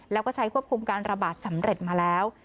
แล้วก็ใช้ควบคุมการระบาดสำเร็จมาแล้ว